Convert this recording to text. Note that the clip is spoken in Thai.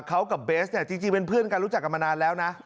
เขากับเบสเนี่ยจริงเป็นเพื่อนกันรู้จักกันมานานแล้วนะ